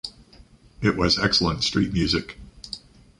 It was excellent street music.